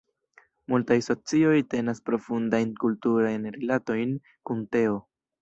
Multaj socioj tenas profundajn kulturajn rilatojn kun teo.